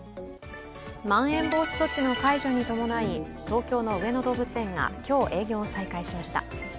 まん延防止措置の解除に伴い東京の上野動物園が今日、営業を再開しました。